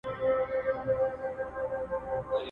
پر دا خپله خرابه مېنه مین یو؛